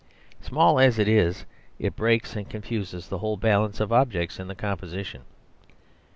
Small as it is, it breaks and confuses the whole balance of objects in the composition.